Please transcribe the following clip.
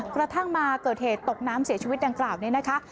กระทั่งมาเกิดเหตุตกน้ำเสียชีวิตดังกล่าวนี้นะคะ